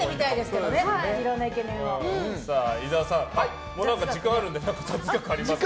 伊沢さん、時間があるので雑学ありますか？